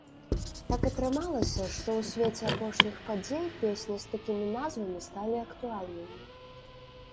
Так атрымалася, што ў свеце апошніх падзей песні з такімі назвамі сталі актуальнымі.